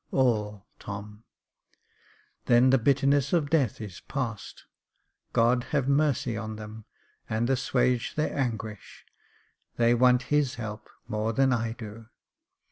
" All, Tom." " Then the bitterness of death is passed ; God have mercy on them, and assuage their anguish ; they want His help more than I do."